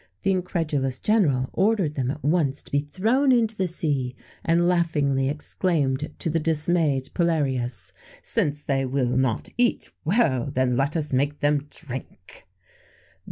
The incredulous general ordered them at once to be thrown into the sea, and laughingly exclaimed to the dismayed Pullarius: "Since they will not eat well! then let us make them drink."